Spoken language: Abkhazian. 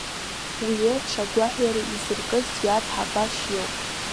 Уи еиԥш агәаҳәара изыркыз иаб Ҳабашь иоуп.